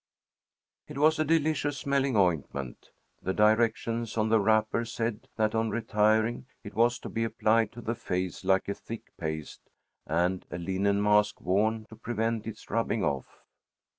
It was a delicious smelling ointment. The directions on the wrapper said that on retiring, it was to be applied to the face like a thick paste, and a linen mask worn to prevent its rubbing off.